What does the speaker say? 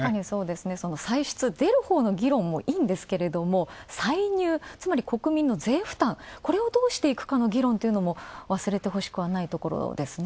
その歳出、出るほうの議論もいいんですけどつまり国民の税負担、これをどうしていくかという議論というのも忘れてほしくはないところですね。